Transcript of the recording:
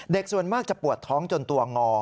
ส่วนมากจะปวดท้องจนตัวงอ